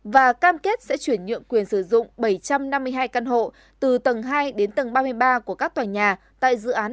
và cam kết sẽ chuyển nhượng quyền sử dụng bảy trăm năm mươi hai căn hộ từ tầng hai đến tầng ba mươi ba của các tòa nhà tại dự án